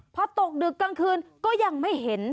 พอตกดึกกลางคืนก็ยังไม่เห็น